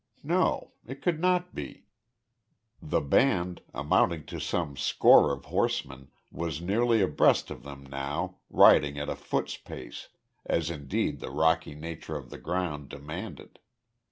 No. It could not be. The band, amounting to some score of horsemen, was nearly abreast of them now, riding at a foot's pace, as indeed the rocky nature of the ground demanded.